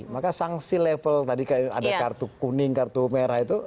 maka sanksi level tadi kayak ada kartu kuning kartu merah itu